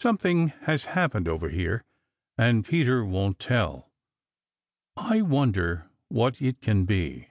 "Something has happened over there, and Peter won't tell. I wonder what it can be."